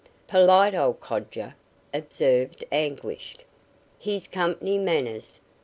"Polite old codger," observed Anguish. "His company manners.